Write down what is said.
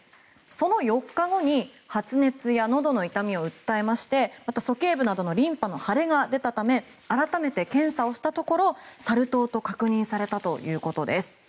その４日後、発熱やのどの痛みを訴えまして鼠径部などのリンパの腫れが出たため改めて検査をしたところサル痘と確認されたということです。